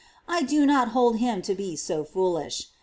I do not hold him to be so foolish.